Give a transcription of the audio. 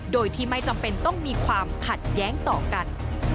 โดยที่ไม่จำเป็นต้องมีความขัดแย้งต่อกัน